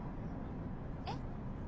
えっ？